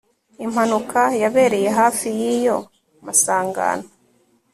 Impanuka yabereye hafi yiyo masangano